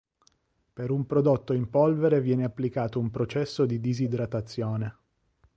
Per un prodotto in polvere viene applicato un processo di disidratazione.